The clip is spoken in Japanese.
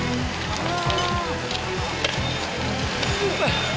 うわ。